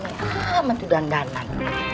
gami gami tuh dandanan